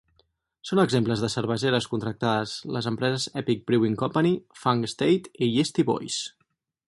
Són exemples de cerveseres contractades les empreses Epic Brewing Company, Funk Estate i Yeastie Boys.